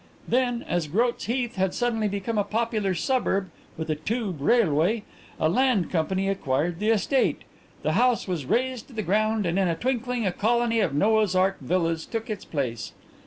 Then, as Groat's Heath had suddenly become a popular suburb with a tube railway, a land company acquired the estate, the house was razed to the ground and in a twinkling a colony of Noah's ark villas took its place.